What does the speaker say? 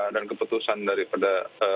dan keputusan daripada